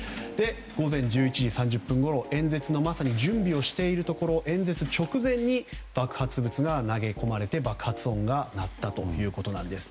午前１１時３０分ごろ、演説のまさに準備をしているところ演説直前に爆発物が投げ込まれて爆発音が鳴ったということです。